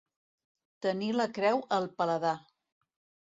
Tenir la creu al paladar.